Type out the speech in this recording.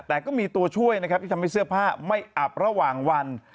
แต่ก็มีตัวช่วยนะครับที่ทำให้เสื้อผ้าไม่อับระหว่างวัน